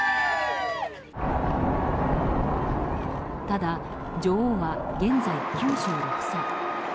ただ、女王は現在９６歳。